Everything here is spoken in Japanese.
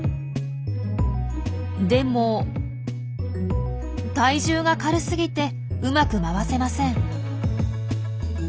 でも体重が軽すぎてうまく回せません。